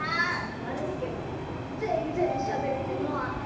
まるすけもぜんぜんしゃべれてない！